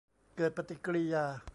เกิดปฏิกิริยา